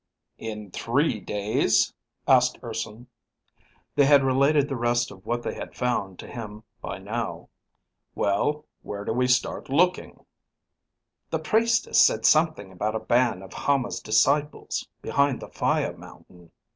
"In three days?" asked Urson. They had related the rest of what they had found to him by now. "Well, where do we start looking?" "The Priestess said something about a band of Hama's disciples behind the fire mountain.